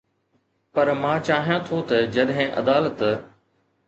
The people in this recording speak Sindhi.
پر مان چاهيان ٿو ته جڏهن عدالت